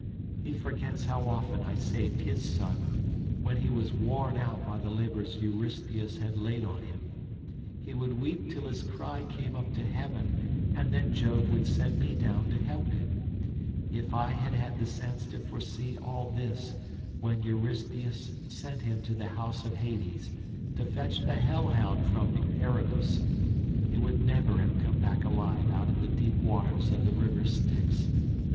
He forgets how often I saved his son when he was worn out by the labours Eurystheus had laid on him. He would weep till his cry came up to heaven, and then Jove would send me down to help him; if I had had the sense to foresee all this, when Eurystheus sent him to the house of Hades, to fetch the hell hound from Erebus, he would never have come back alive out of the deep waters of the river Styx.